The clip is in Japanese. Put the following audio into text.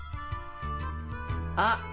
あっ！